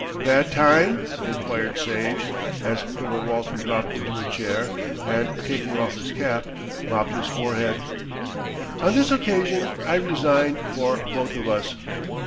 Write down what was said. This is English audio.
"Bad time?" enquired Sage as Colonel Walton dropped into a chair and, taking off his cap, mopped his forehead. "On this occasion I resigned for both of us."